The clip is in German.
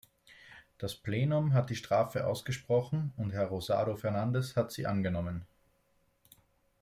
Das Plenum hat die Strafe ausgesprochen, und Herr Rosado Fernandes hat sie angenommen.